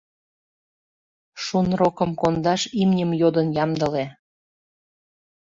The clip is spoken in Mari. Шунрокым кондаш имньым йодын ямдыле.